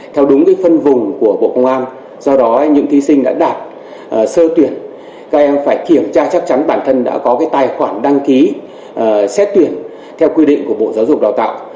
theo đúng phân vùng của bộ công an do đó những thí sinh đã đạt sơ tuyển các em phải kiểm tra chắc chắn bản thân đã có tài khoản đăng ký xét tuyển theo quy định của bộ giáo dục đào tạo